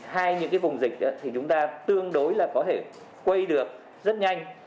hai những vùng dịch chúng ta tương đối có thể quay được rất nhanh